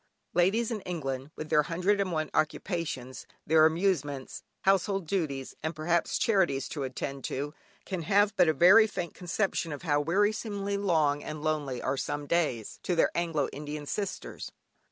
Ladies in England, with their hundred and one occupations, their amusements, household duties, and perhaps charities to attend to, can have but a very faint conception of how wearisomely long and lonely are some days, to their Anglo Indian sisters.